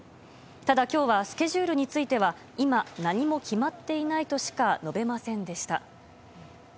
ただ、今日はスケジュールについては今、何も決まっていないとしか述べませんでした。